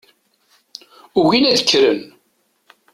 Ugin ad kkren.